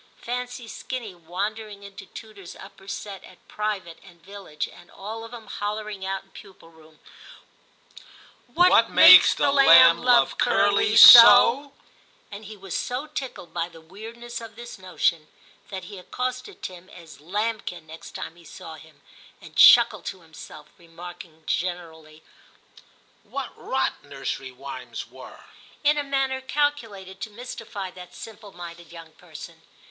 Fancy Skinny wandering into tutor's upper set at private, and Villidge and all of 'em hollering out in pupil room, " What makes the lamb love Curly 122 TIM CHAP. SO?"* and he was so tickled by the weird ness of this notion that he accosted Tim as * lambkin ' next time he saw him, and chuckled to himself, remarking generally, *What rot nursery rhymes were,' in a manner calculated to mystify that simple minded young person.